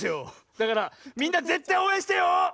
だからみんなぜったいおうえんしてよ！